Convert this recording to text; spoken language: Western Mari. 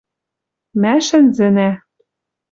Мӓ шӹнзӹнӓ...